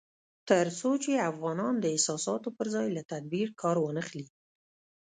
تر څو چې افغانان د احساساتو پر ځای له تدبير کار وانخلي